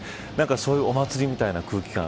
そういうお祭りみたいな空気感